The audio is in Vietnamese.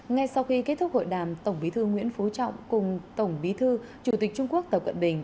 ngay sau khi kết thúc hội đàm tổng bí thư nguyễn phú trọng cùng tổng bí thư chủ tịch trung quốc tập cận bình